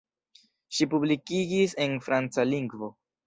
Ŝi publikigis en franca lingvo.